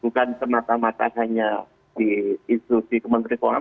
bukan semata mata hanya di institusi kementerian keuangan